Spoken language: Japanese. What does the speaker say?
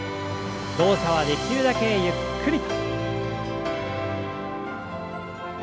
動作はできるだけゆっくり。